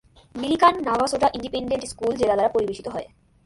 Millikan Navasota Independent School জেলা দ্বারা পরিবেশিত হয়।